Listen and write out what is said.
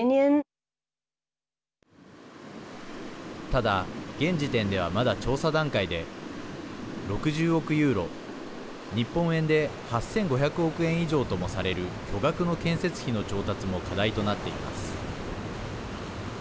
ただ、現時点ではまだ調査段階で６０億ユーロ日本円で８５００億円以上ともされる巨額の建設費の調達も課題となっています。